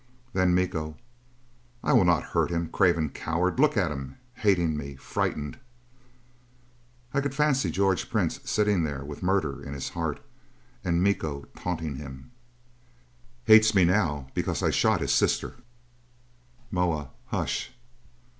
Then Miko: "I will not hurt him. Craven coward! Look at him! Hating me frightened!" I could fancy George Prince sitting there with murder in his heart, and Miko taunting him: "Hates me now, because I shot his sister!" Moa: "Hush!"